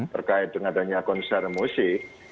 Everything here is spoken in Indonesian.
terkait dengan adanya konser musik